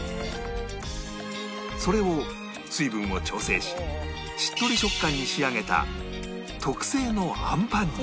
それを水分を調整ししっとり食感に仕上げた特製のあんパンに